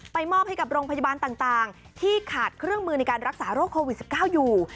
มอบให้กับโรงพยาบาลต่างที่ขาดเครื่องมือในการรักษาโรคโควิด๑๙อยู่